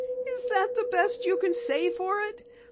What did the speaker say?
"Is that the best you can say for it?